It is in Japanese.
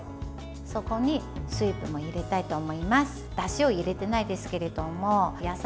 そこに水分を入れたいと思います。